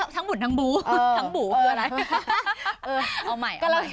ถึงบู๋ก็มีอยู่้านะคะ